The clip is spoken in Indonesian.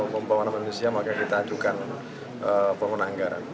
membawa nama indonesia maka kita ajukan pemenanggaran